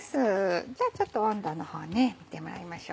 じゃあちょっと温度のほう見てもらいましょう。